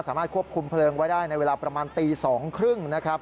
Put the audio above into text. สามารถควบคุมเพลิงไว้ได้ในเวลาประมาณตี๒๓๐นะครับ